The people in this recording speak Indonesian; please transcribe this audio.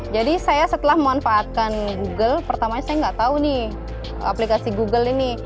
jadi saya setelah memanfaatkan google pertama saya tidak tahu aplikasi google ini